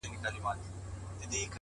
• خو زه بيا داسي نه يم؛